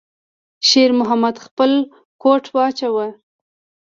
شېرمحمد خپل کوټ واچاوه.